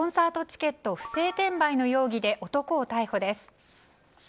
チケット不正転売の容疑で男を逮捕です。